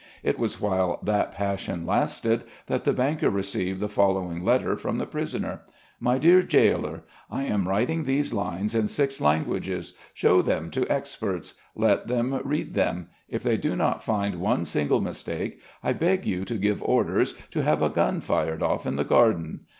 It was while that passion lasted that the banker received the following letter from the prisoner: "My dear gaoler, I am writing these lines in six languages. Show them to experts. Let them read them. If they do not find one single mistake, I beg you to give orders to have a gun fired off in the garden.